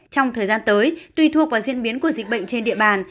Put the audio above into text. trong thời gian tới tùy thuộc vào diễn biến của dịch bệnh trên địa bàn